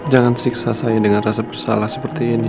jangan siksa sayang dengan rasa bersalah seperti ini